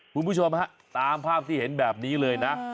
คุณผู้ชมฮะตามภาพที่เห็นแบบนี้เลยนะ